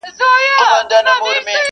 اباسین پر څپو راغی را روان دی غاړي غاړي؛